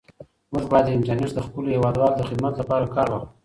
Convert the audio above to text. موږ باید له انټرنیټ څخه د خپلو هیوادوالو د خدمت لپاره کار واخلو.